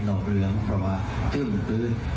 นอกเหลืองเพราะว่าที่หมดเป็น